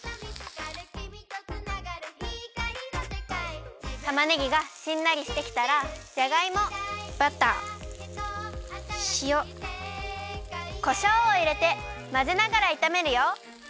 「キミとつながる光の世界」たまねぎがしんなりしてきたらじゃがいもバターしおこしょうをいれてまぜながらいためるよ。